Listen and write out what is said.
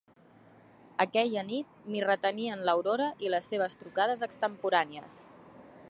Aquella nit m'hi retenien l'Aurora i les seves trucades extemporànies.